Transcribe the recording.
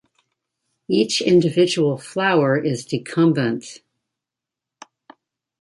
Each individual flower is decumbent.